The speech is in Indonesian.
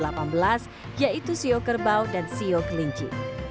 sio adalah seorang pengusaha dan ceo kelinci